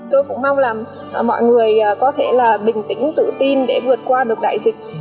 tôi cũng mong là mọi người có thể là bình tĩnh tự tin để vượt qua được đại dịch